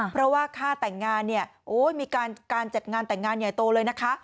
เพราะว่าค่าแต่งงานเนี่ยโอ้ยมีการจัดงานแต่งงานใหญ่โตเลยนะคะ